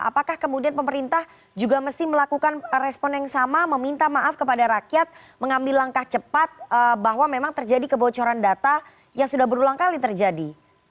apakah kemudian pemerintah juga mesti melakukan respon yang sama meminta maaf kepada rakyat mengambil langkah cepat bahwa memang terjadi kebocoran data yang sudah berulang kali terjadi